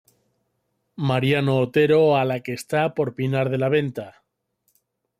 Mariano Otero o a la que está por Pinar de la Venta.